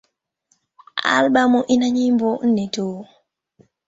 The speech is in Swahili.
Albamu ina nyimbo nne tu.